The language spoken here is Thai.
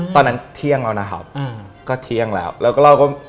ตอนนั้นเที่ยงแล้วนะครับ